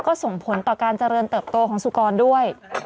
ก็ส่งผลต่อการเจริญเติบโตของสุกรด้วย